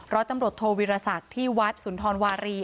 ร้อยตำรวจโทวิรสักที่วัดสุนทรวารี